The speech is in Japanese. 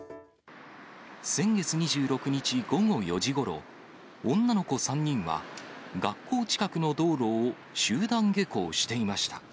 先月２６日午後４時ごろ、女の子３人は学校近くの道路を集団下校していました。